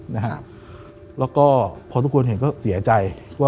และพอทุกคนเห็นก็เสียใจ